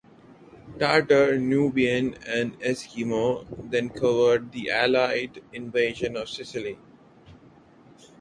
"Tartar", "Nubian" and "Eskimo" then covered the Allied invasion of Sicily.